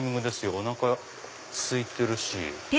おなかすいてるし。